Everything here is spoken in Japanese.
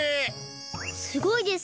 すごいです！